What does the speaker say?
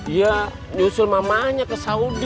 ya nyusul mamanya ke saudi